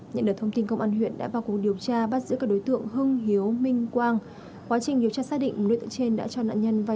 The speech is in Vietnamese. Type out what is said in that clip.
nhận được thông tin công an huyện đã vào cuộc điều tra